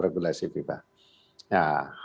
regulasi fifa nah